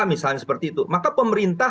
misalnya seperti itu maka pemerintah